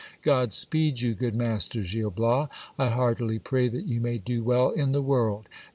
God speed you, good master Gil Bias ! I heartily pray that you may do well in the world